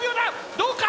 どうか？